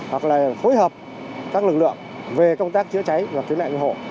hoặc là phối hợp các lực lượng về công tác chữa cháy và cứu nạn cứu hộ